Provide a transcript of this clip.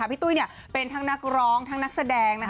พี่ตุ้ยเป็นทั้งนักร้องทั้งนักแสดง